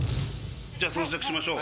じゃあ装着しましょう。